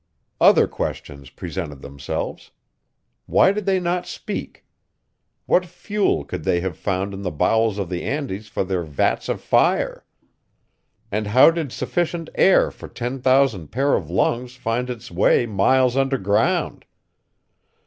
Other questions presented themselves. Why did they not speak? What fuel could they have found in the bowels of the Andes for their vats of fire? And how did sufficient air for ten thousand pairs of lungs find its way miles underground?